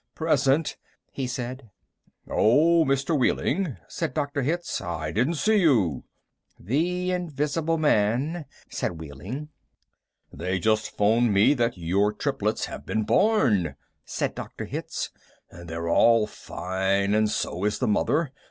"Present," he said. "Oh, Mr. Wehling," said Dr. Hitz, "I didn't see you." "The invisible man," said Wehling. "They just phoned me that your triplets have been born," said Dr. Hitz. "They're all fine, and so is the mother.